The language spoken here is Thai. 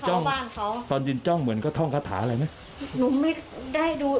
บ้านเขาตอนยืนจ้องเหมือนก็ท่องคาถาอะไรไหมหนูไม่ได้ดู